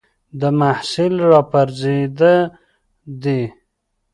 د محصل را پرځېده دي